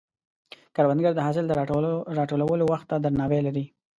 کروندګر د حاصل د راټولولو وخت ته درناوی لري